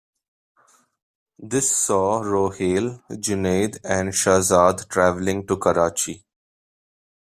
This saw Rohail, Junaid and Shahzad traveling to Karachi.